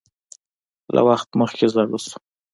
له وخت مخکې زاړه شو